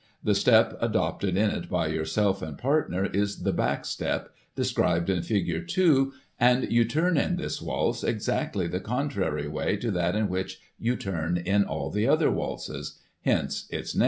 The step adopted in it by yourself and partner, is the back step des cribed in figure two, and you turn in this waltz exactly the contrary way to that in which you turn in all other waltzes — hence its name.